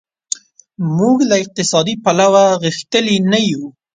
موږ له اقتصادي پلوه غښتلي نه یو.